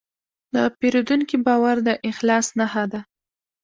د پیرودونکي باور د اخلاص نښه ده.